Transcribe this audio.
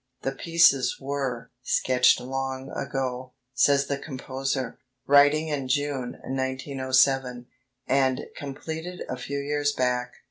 The pieces were "sketched long ago," says the composer [writing in June, 1907], "and completed a few years back."